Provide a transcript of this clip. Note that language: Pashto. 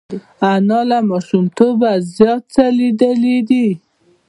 انا له ماشومتوبه زیات څه لیدلي دي